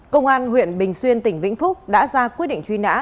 công an tp hcm tp hcm đã ra quyết định truy nã